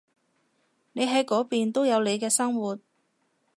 你喺嗰邊都有你嘅生活